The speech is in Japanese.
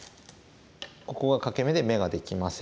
ここが欠け眼で眼ができません。